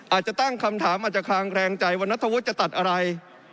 อาจจะตั้งคำถามอาจจะคลางแรงใจว่านัทธวุฒิจะตัดอะไร